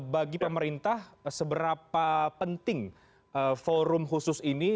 bagi pemerintah seberapa penting forum khusus ini